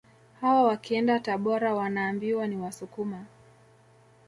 Hawa wakienda Tabora wanaambiwa ni Wasukuma